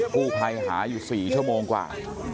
กู้ภัยหาอยู่๔ชั่วโมงกว่า